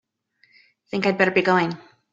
Think I'd better be going.